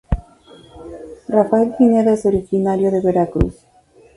Rafael Pineda es originario de Veracruz.